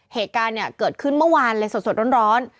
เหตุการณ์เนี่ยเกิดขึ้นเมื่อวานเลยสดร้อน